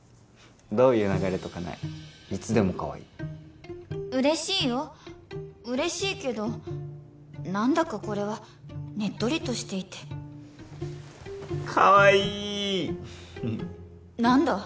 どういう流れとかないいつでもかわいい嬉しいよ嬉しいけど何だかこれはねっとりとしていてかわいい何だ？